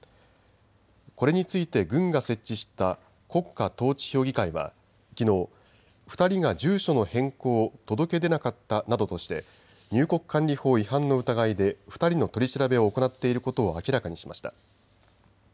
これについて軍が設置した国家統治評議会はきのう２人が住所の変更を届け出なかったなどとして入国管理法違反の疑いで２人の取り調べを行っていることを明らかにしました。